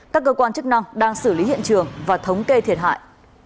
các cơ quan chức năng đang xử lý hiện trường và thống kê thiệt hại